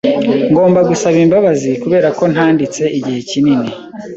Ngomba gusaba imbabazi kuberako ntanditse igihe kinini.